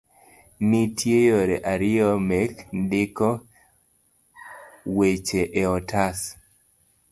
Nitie yore ariyo mek ndiko weche e otas